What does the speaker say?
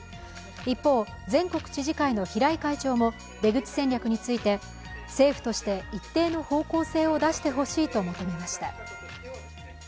一方、全国知事会の平井会長も出口戦略について政府として一定の方向性を出してほしいと求めました。